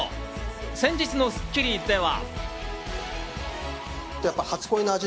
先日の『スッキリ』では。